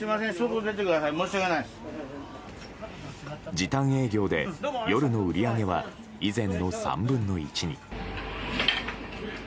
時短営業で夜の売り上げは以前の３分の１に。